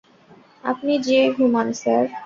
আপনি যেয়ে ঘুমান, স্যার।